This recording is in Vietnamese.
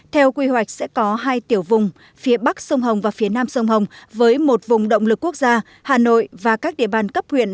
theo quy hoạch sẽ có hai tiểu vùng phía bắc sông hồng và phía nam sông hồng với một vùng động lực quốc gia hà nội và các địa bàn cấp huyện